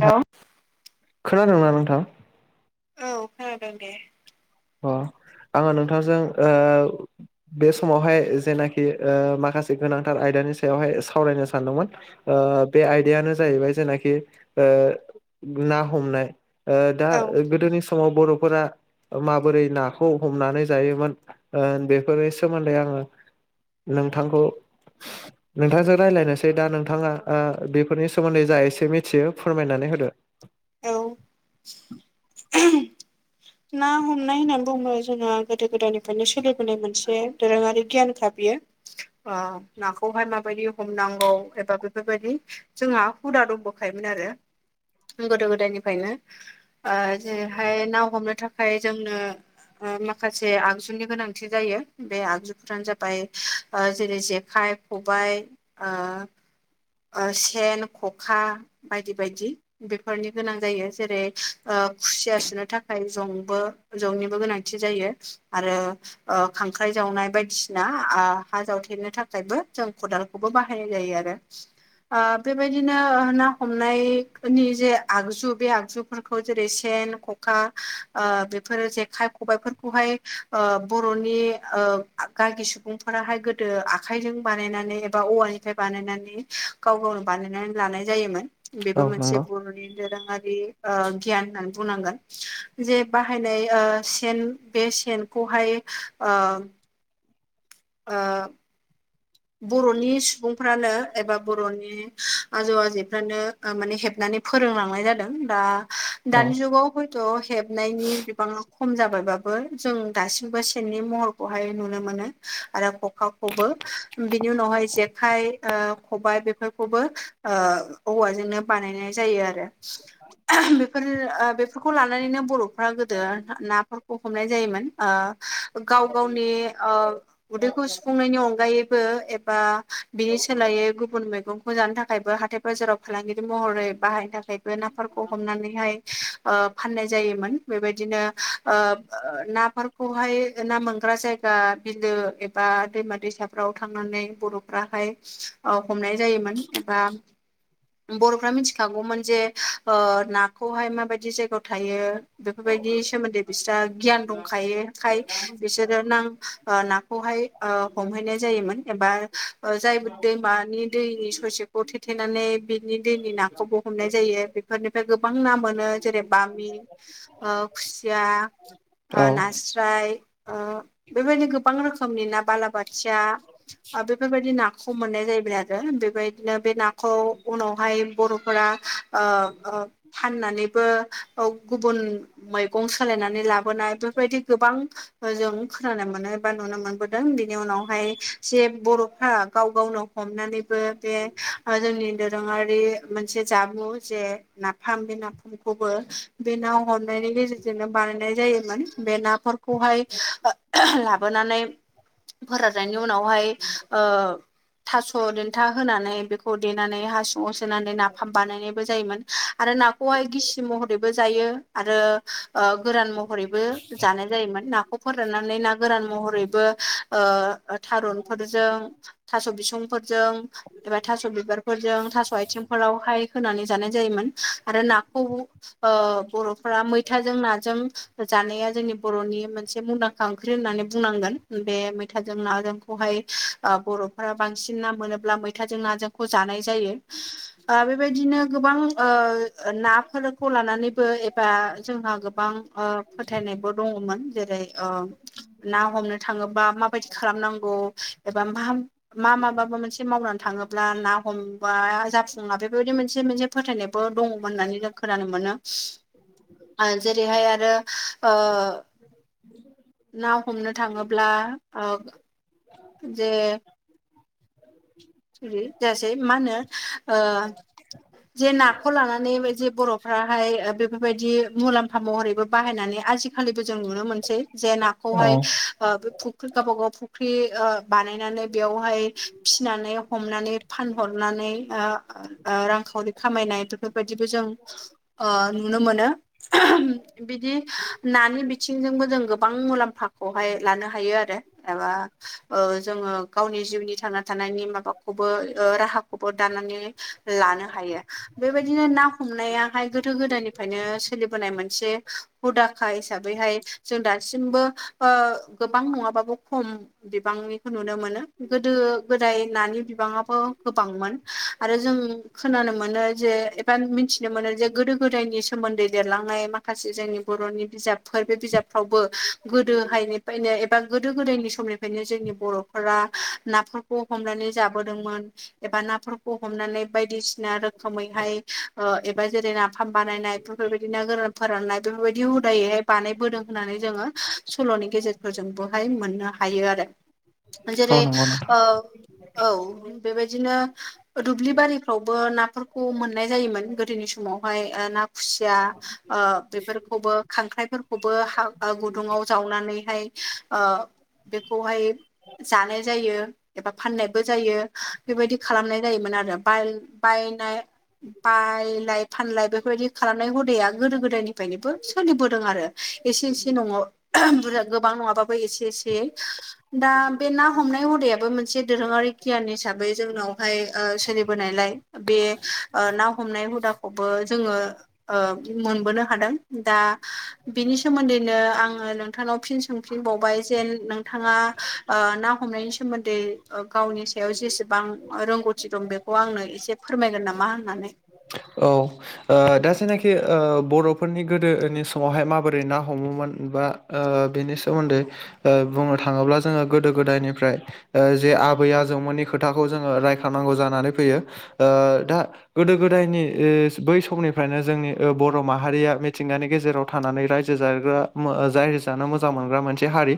नोंथां हेलौ खोनादोंना नोंथां औ खोनादों दे अ आङो नोंथांजों ओ बे समावहाय जेनाखि माखासे गोनांथार आयदानि सायावहाय सावरायनो सानदोंमोन बे आयदायानो जाहैबाय जेनाखि ना हमनाय दा औ गोदोनि समाव बर'फोरा माबोरै नाखौ हमनानै जायोमोन बेफोरनि सोमोन्दै आङो नोंथांखौ नोंथांजों राय्लायनोसै दा नोंथाङा बेफोरनि सोमोन्दै जा एसे मिथियो फोरमायनानै होदो औ ना हमनाय होननानै बुङो जोंहा गोदो गोदायनिफ्रायनो सोलिबोनाय मोनसे दोरोङारि गियान क बेयो नाखौहाय माबायदि हमनांगौ एबा बेफोरबायदि जोंहा हुदा दंबोखायोमोन आरो गोदो गोदायनिफ्रायनो जेरैहाय ना हमनो थाखाय जोंनो माखासे आगजुनि गोनांथि जायो बे आगजुफ्रानो जाबाय जेरै जेखाइ खबायाइ सेन खखा बायदि बायदि बेफोरनि गोनां जायो जेरै खुसिया सुनो थाखाय जंबो जंनिबो गोनांथि जायो आरो खांख्राइ जावनाय बायदिसिना हा जावथेरनो थाखायबो जों खदाल खौबो बाहायनाय जायो आरो बेबायदिनो ना हमनायनायनि जे आगजु बे आगजु फोरखौ जेरै सेन ख'खा बेफोरो जेखाइ खबाइफोरखौहाय बर'नि गागि सुबुंफोराहाय गोदो आखायजों बानायनानै एबा औवानिफ्राय बानायनानै गाव गावनो बानायनानै लानाय जायोमोन औ बेबो मोनसे नंगौ बर'नि दोरोङारि गियान होननानै बुंनांगोन जे बाहायनाय ओ सेन बे सेनखौहाय ओ बर'नि सुबुंफ्रानो एबा बर'नि आजौ आजैफ्रानो माने हेबनानै फोरोंलांनाय जादों दा औ दानि जुगाव हयथ' हेबनायनि बिबाङा खम जाबायबाबो जों दासिमबो सेननि महरखौहाय नुनो मोनो आरो खखाखौबो बिनि उनावहाय जेखाय खबाइ बेफोरखौबो औवाजोंनो बानायनाय जायो आरो बेफोर बेफोरखौ लानानैनो बर'फ्रा गोदो ना हमनाय जायोमोन गाव गावनि उदैखौ सुफुंनायनि अनगायै एबा बिनि सोलायै गुबुन मैगंखौ जानो थाखायबो हाथाय बाजाराव फालांगि महरै बाहायनो थाखायबो नाफोरखौ हमनानैहाय फाननाय जायोमोन बेबायदिनो नाफोरखौहाय ना मोनग्रा जाय बिलो एबा दैमा दैसा फाव थांनानै बर'फ्राहाय हमनाय जायोमोन एबा बर'फ्रा मिथिखागौमोन जे नाखौहाय माबायदि जायगायाव थायो। बेफोरबायदिनि सोमोन्दै बिस्रा गियान दंखायोखाय बिसोरो नां नाखौहाय ओ हमहैनाय जायोमोन एबा जाय दैमानि दैनि ससेखौ थेथेनानै बिनि दैनि ना खौबो हमनाय जायो बेफोरनिफ्राय गोबां ना मोनो जेरै बामि आ खुसिया औ नास्राय बेबायदि गोबां रोखोमनि ना बालाबाथिया बेफोरबायदि नाखौ मोननाय जाहैबाय आरो बेबायदिनो बे नाखौ उनावहाय बर'फोरा फाननानैबो गुबुन मैगं सोलायनानै लाबोनाय बेफोरबायदि गोबां जों खोनानो मोनो बा नुनो मोनबोदों बिनि उनावहाय जे बर'फ्रा गाव गावनो हमनानैबो बे जोंनि दोरोङारि मोनसे जामु जे नाफाम बे नाफाम खौबो बे ना हमनायनि गेजेरजोंनो बानायनाय जायोमोन बे नाफोरखौहाय लाबोनानै फोराननायनि उनावहाय ओ थास' देन्था होनानै बेखौ देनानै हासुङाव सोनानै नाफाम बानायनायबो जायोमोन आरो ना खौहाय गिसि महरैबो जायो आरो ओ गोरान महरैबो जानाय जायोमोन नाखौ खौ फोराननानै ना गोरान महरैबो ओ थारुनफोरजों थास' बिसंफोरजों एबा थास' बिबारफोरजों थास' आइथिंफोरावहाय होनानै जानाय जायोमोन आरो नाखौ ओ बर'फोरा मैथाजों नाजों जानाया जोंनि बर'नि मोनसे मुंदांखा ओंख्रि होननानै बुंनांगोन बे मैथा जों नाजोंखौहाय बर'फोरा बांसिन ना मोनोब्ला मैथाजों नाजोंखौ जानाय जायो। बेबायदिनो गोबां नाफोरखौ लानानैबो एबा जोंहा गोबां फोथायनायबो दङमोन जेरै ना हमनो थाङोबा माबा माबायदि खालामनांगौ एबा मा मा मााबाबा मोनसे मावनानै थाङोब्ला ना हमबा जाफुङा बेफोरबायदि मोनसे मोनसे फोथायनायबो दङमोन होननानै जों खोनानो मोनो जेरैहाय आरो [inaudible] ना हमनो थाङोब्ला ओ जे सरि जायासै मा होनो ओ जे नाखौ लानानै जे बर' फोराहाय ओ बेफोरबायदि मुलाम्फा महरैबो बाहायनानै आजिखालिबो जों नुनो मोनसै जे नाखौहाय ओ फुख्रि गावबागाव फुख्रि ओ बानायनानै बेयावहाय फिसिनानै हमनानै फानहरनानै ओ ओ रांखावरि खामायनाय बेफोरबायदिबो जों ओ नुनो मोनो। बिदि नानि बिथिंजोंबो जों गोबां मुलाम्फाखौहाय लानो हायो आरो एबा ओ जोङो गावनि जिउनि थांना थानायनि माबाखौबो राहाखौबो दानानै लानो हायो बेबायदिनो ना हमनायाहाय गोदो गोदायनिफ्रायनो सोलिबोनाय मोनसे हुदाखा हिसाबैहाय जों दासिमबो ओ गोबां नङाबाबो खम बिबांनिखौ नुनो मोनो गोदो गोदाय नानि बिबाङाबो गोबांमोन आरो जों खोनानो मोनो जे एबा मिथिनो मोनो जे गोदो गोदायनि सोमोन्दै लिरलांनाय माखा माखासे जोंनि बर'नि बिजाबफोर बे बिजाबफ्रावबो गोदो हायनि फायनो एबा गोदो गोदायनि समनिफ्रायनो जोंनि बर' फोर नाफोरखौ हमनानै जाबोदोंमोन एबा नाफोरखौ हमनानै बायदिसिना रोखोमैहाय ओ एबा जेरै नाफाम बानायनाय बेफोरबायदि ना गोरान फोराननाय बेफोरबायदि हुदायैहाय बानायबोदों होननानै जोङो सल'नि गेजेरफोरजों बोहाय मोननो हायो आरो औ जेरै नंगौ नोंथां ओ औ बेबायदिनो दुब्लि बारि फ्रावबो नाफोरखौ मोननाय जायोमोन गोदोनि समावहाय ओ ना खुसिया ओ बेफोरखौबो खांख्राइफोरखौबो हा गुदुङाव जावनानैहाय ओ बेखौहाय जानाय जायो एबा फाननायबो जायो बेबायदि खालामनाय जायोमोन आरो बाल बायनाय बायलाय फानलाय बेफोरबायदि खालामनाय हुदाया गोदो गोदायनिफ्रायनोबो सोलिबोदों आरो एसे एसे न'आव बुरजा गोबां नङाबाबो एसे एसेयै दा बे ना हमनाय हुदायाबो मोनसे दोरोङारि गियान हिसाबै जोंनावहाय ओ सोलि- बोनायलाय बे ओ ना हमनाय हुदाखौबो जोङो ओ मोनबोनो हादों दा बिनि सोमोन्दैनो आङो नोंथांनाव फिन- सोंफिनबावबाय जेन नोंथाङा ओ ना हमनायनि सोमोन्दै गावनि सायाव जेसेबां रोंगौथि दं बेखौ आंनो एसे फोरमायगोन नामा होननानै औ दा जायनाखि बर'फोरनि गोदोनि समावहाय माबोरै ना हमोमोन बा बिनि सोमोन्दै बुंनो थाङोब्ला जोङो गोदो गोदायनिफ्राय जे आबै आजौमोननि खोथाखौ जोङो रायखांनांगौ जानानै फैयो दा गोदो गोदायनि बै समनिफ्रायनो जोंनि बर' माहारिया मिथिंगानि गेजेराव थानानै रायजो जाग्रा जाय जानो मोजां मोनग्रा मोनसे हारि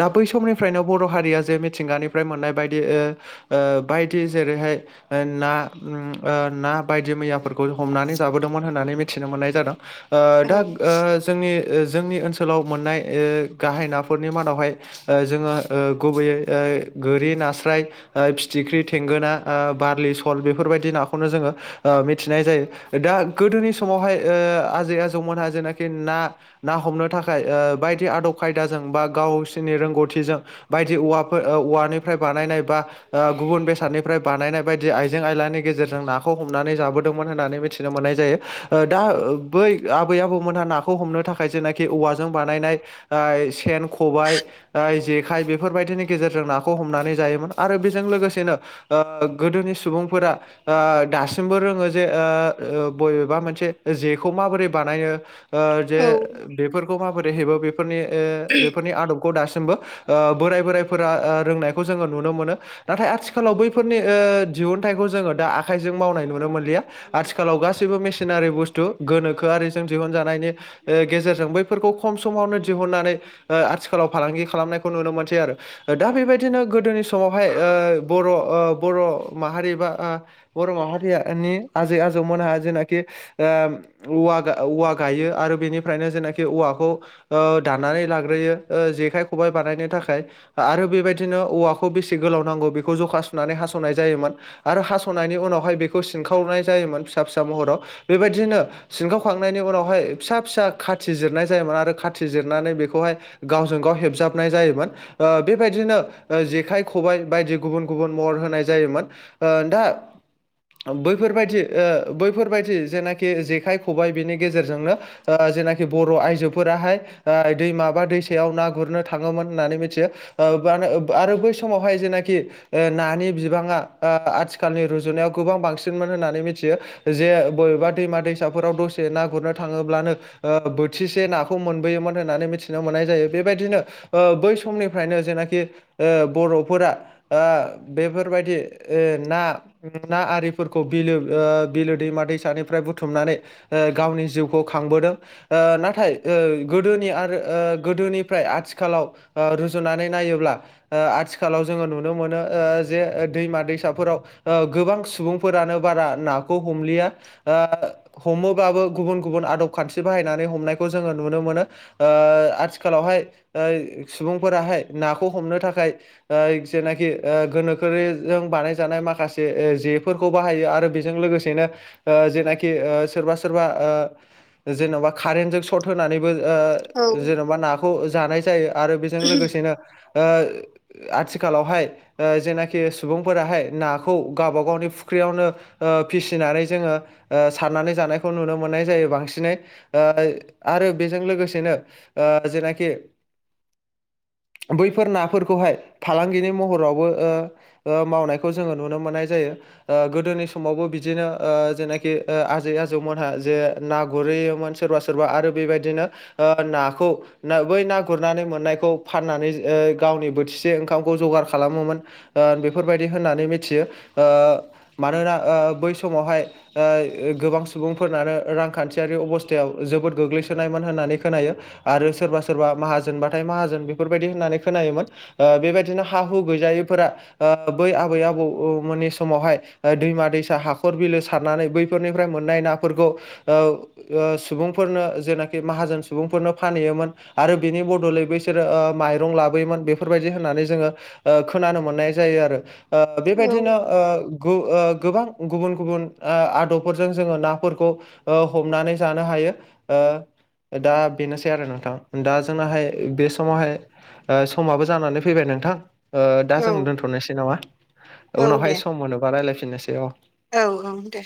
दा बै समनिफ्रायनो बर' हारिया जे मिथिंगानि फ्राय मोननाय बायदि ओ ओ बायदि जेरैहाय ना उम ओ ना बायदि मैया फोरखौ हमनानै जाबोदोंमोन होननानै मिथिनो मोननाय जादों ओ औ दा ओ जोंनि ओ जोंनि ओनसोलाव मोननाय ओ गाहाय नाफोरनि मादावहाय ओ जोङो ओ गुबैयै ओ गोरि नास्राय ओ फिथिख्रि थेंगोना ओ बारलि सल बेफोरबायदि नाखौनो जोङो ओ मि- मिथिनाय जायो दा गोदोनि समावहाय ओ आजै आजौमोनहा जेनाखि ना ना हमनो थाखाय ओ बायदि आदब खायदाजों बा गावसोरनि रोंगौथिजों बायदि औवाफोर ओ औवानिफ्राय बानायनाय बा गुबुन बेसादनिफ्राय बानायनाय बायदि आइजें आयलानि गेजेरजों नाखौ हमनानै जाबो होननानै मिथिनो मोननाय जायो दा बै आबै आबौमोनहा नाखौ हमनो थाखाय य जेनाखि औवाजों बानायनाय सेन खबायाइ जेखाइ बेफोरबायदिनि गेजेरजों नाखौ हमनानै जायोमोन आरो बेजों लोगोसेनो गोदोनि सुबुंफोरा दासिमबो रोङो जे बबेबा मोनसे जेखौ माबोरै बानायनो जे औ बेफोरखौ माबोरै हेबो बेफोरनि बेफोरनि आदब खौ दासिमबो बोराय बोराइफोरा रोंनायखौ जोङो नुनो मोनो नाथाय आथिखालाव बैफोरनि दिहुनथाइखौ जोङो दा आखाइजों मावनाय नुनो मोनलिया आथिखालाव गासैबो मेसिनारि बुस्थु गोनोखोआरिजों दिहुनजानायनि गेजेरजों बैफोरखौ खम समावनो दिहुननानै आथिखालाव फालांगि खालामनायखौ नुनो मोनसै आरो दा बेबायदिनो गोदोनि समावहाय बर' बर' माहारि बा बर' माहारियानि आजै आजौमोनहा जेनाखि औवा औवा गायो आरो बेनिफ्रायनो जेनाखि औवाखौ दानानै लाग्रोयो जेखाइ खबाइ बानायनो थाखाय आरो बेबायदिनो औवाखौ बेसे गोलाव नांगौ बेखौ जखा सुनानै हास'नाय जायोमोन आरो हास'नायनि उनावहाय बेखौ सिनखावनाय जायोमोन फिसा फिसा महराव बेबायदिनो सिनखावखांनायनि उनावहाय फिसा फिसा खाथि जिरनाय जायोमोन आरो खाथि जिरनानै बेखौहाय गावजों गाव हेबजाबनाय जायोमोन बेबायदिनो जेखाइ खबाइ बायदि गुबुन गुबुन महर होनाय जायोमोन ओ दा बैफोरबायदि बैफोरबायदि जेनाखि जेखाइ खबाइ बिनि गेजेरजोंनो जेनाखि बर' आइजोफोराहाय दै माबा दैसायाव ना गुरनो थाङोमोन होननानै मिथियो मानो आरो बै समावहाय जेनाखि नानि बिबाङा आथिखालनि रुजुनायाव गोबां बांसिन मोन होननानै मिथियो जे बबेबा दैमा दैसाफोराव दसे ना गुरनो थाङोब्लानो बोथिसे नाखौ मोनबोयोमोन होननानै मिथिनो मोननाय जायो बेबायदिनो बै समनिफ्रायनो जेनाखि बर'फोरा बेफोरबायदि ना ना आरि फोरखौ बिलो बिलो दैमा दैसानिफ्राय बुथुमनानै गावनि जिउखौ खांबोदों नाथाय गोदोनि आरो गोदोनिफ्राय आथिखालाव रुजुनानै नायोब्ला आथिखालाव जोङो नुनो मोनो जे दैमा दैसाफोराव गोबां सुबुं फोरानो बारा नाखौ हमलिया हमोबाबो गुबुन गुबुन आदब खान्थि बाहायनानै हमनायखौ जोङो नुनो मोनो आथिखालावहाय सुबुंफोराहाय नाखौ हमनो थाखाय जेनाखि गोनोखोजों बानायजानाय माखासे फोरखौ बाहायो आरो बेजों लोगोसेनो जेनाखि सोरबा सोरबा जेन'बा कारेन्टजों सर्ट होनानैबो जेन'बा नाखौ जानाय जायो आरो बेजों लोगोसेनो आथिखालावहाय जेनाखि सुबुंफोराहाय नाखौ गावब गावनि फुख्रियावनो फिसिनानै जोङो सारनानै जानायखौ नुनो मोननाय जायो बांसिनै आरो बेजों लोगोसेनो जेनाखि बैफोर नाफोरखौहाय फालांगिनि महरावबो मावनायखौ जोङो नुनो मोननाय जायो गोदोनि समावबो बिदिनो जेनाखि आजै आजौमोनहा जे ना गुरहैयोमोन सोरबा सोरबा आरो बेबायदिनो नाखौ ना बै ना गुरनानै मोननायखौ फाननानै गावनि बोथिसे ओंखामखौ जगार खालामोमोन बेफोरबायदि होननानै मिथियो मानोना बै समावहाय गोबां सुबुंफोरनानो रांखान्थियारि अबस्थायाव जोबोद गोग्लैसोनायमोन होननानै खोनायो आरो सोरबा सोरबा माहाजोनबाथाय माहाजोन बेफोरबायदि होननानै खोनायोमोन बेबायदिनो हा हु गैजायैफोरा बै आबै आबौमोननि समावहाय दैमा दैसा हाखर बिलो सारनानै बैफोरनिफ्राय मोननाय नाफोरखौ सुबुंफोरनो जेनाखि माहाजोन सुबुंफोरनो फानहैयोमोन आरो बिनि बदलै बैसोरो माइरं लाबोयोमोन बेफोरबायदि होननानै जोङो खोनानो मोननाय जायो आरो औ बेबायदिनो गोबां गुबुन गुबुन आदबफोरजों जोङो नाफोरखौ हमनानै जानो हायो दा बेनोसै आरो नोंथां दा जोंनाहाय बे समावहाय ओ समाबो जानानै फैबाय नोंथां दा औ जों दोन्थ'नोसै नामा औ दे उनावहाय सम मोनोबा रायजलायफिननोसै औ औ औ दे